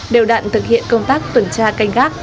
đều đạn thực hiện công tác tuần tra canh gác